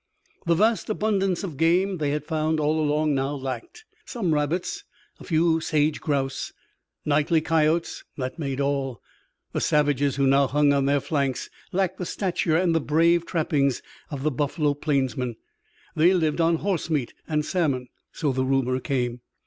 The vast abundance of game they had found all along now lacked. Some rabbits, a few sage grouse, nightly coyotes that made all. The savages who now hung on their flanks lacked the stature and the brave trappings of the buffalo plainsmen. They lived on horse meat and salmon, so the rumor came.